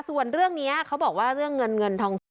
ส่วนเรื่องนี้เขาบอกว่าเรื่องเงินเงินทองทุน